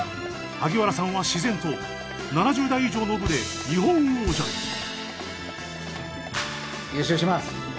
萩原さんは自然と７０代以上の部で日本王者に。